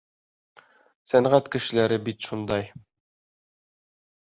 Сәнғәт кешеләре бит шундай...